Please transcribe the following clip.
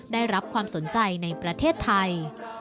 ได้รับความสนใจในประเทศไทย